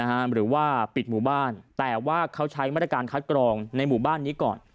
หรือว่าปิดหมู่บ้านแต่ว่าเขาใช้มาตรการคัดกรองในหมู่บ้านนี้ก่อน